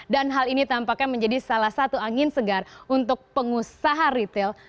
dan hal ini tampaknya menjadi salah satu angin segar untuk pengusaha retail